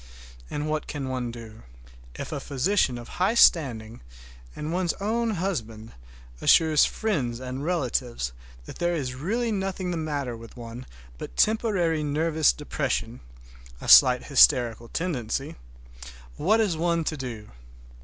And what can one do? If a physician of high standing, and one's own husband, assures friends and relatives that there is really nothing the matter with one but temporary nervous depression—a slight hysterical tendency—what is one to do?